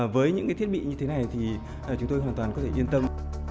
với những thiết bị như thế này thì chúng tôi hoàn toàn có thể yên tâm